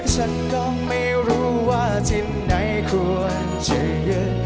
ฉันก็ไม่รู้ว่าทีมไหนควรจะเจอ